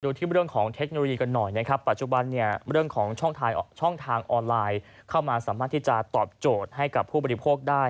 ที่เรื่องของเทคโนโลยีกันหน่อยนะครับปัจจุบันเนี่ยเรื่องของช่องทางออนไลน์เข้ามาสามารถที่จะตอบโจทย์ให้กับผู้บริโภคได้